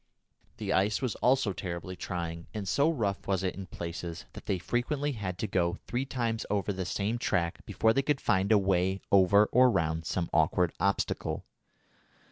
The ice was also terribly trying, and so rough was it in places that they frequently had to go three times over the same track before they could find a way over or round some awkward obstacle.